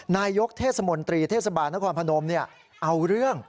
นายกเทศมนตรีเทศบาลนครพนมเอาเรื่อง